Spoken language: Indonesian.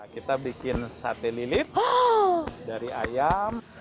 kita bikin sate lilit dari ayam